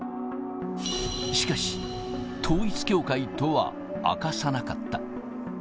しかし、統一教会とは明かさなかった。